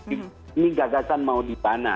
ini gagasan mau di mana